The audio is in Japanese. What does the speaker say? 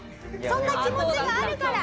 そんな気持ちがあるから。